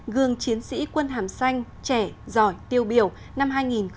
gương chiến sĩ quân hàm xanh trẻ giỏi tiêu biểu năm hai nghìn một mươi chín